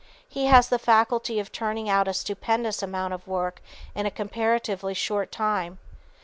He has the faculty of turning out a stupendous amount of work in a comparatively short time.